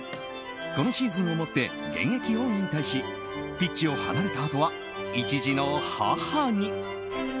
このシーズンをもって現役を引退しピッチを離れたあとは１児の母に。